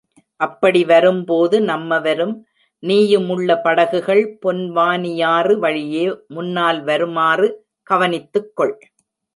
அப்படி வரும் போது நம்மவரும், நீயுமுள்ள படகுகள் பொன்வானியாறு வழியே முன்னால் வருமாறு கவனித்துக்கொள்.